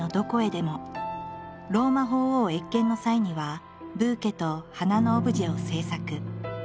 ローマ法王謁見の際にはブーケと花のオブジェを制作。